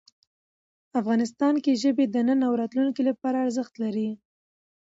افغانستان کې ژبې د نن او راتلونکي لپاره ارزښت لري.